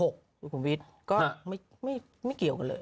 ก็ไม่เกี่ยวกันเลย